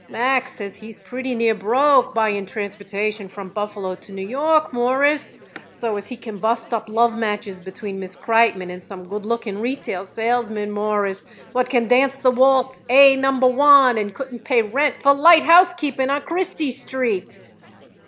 Max says he is pretty near broke, buying transportation from Buffalo to New York, Mawruss, so as he can bust up love matches between Miss Kreitmann and some good looking retail salesman, Mawruss, what can dance the waltz A Number One and couldn't pay rent for light housekeeping on Chrystie Street."